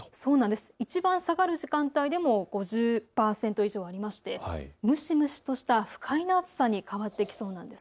いちばん下がる時間帯でも５０％以上ありまして、蒸し蒸しとした不快な暑さに変わってきそうなんです。